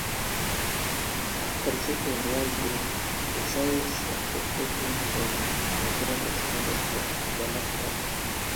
After the Second World War the size and population of Yatton expanded dramatically.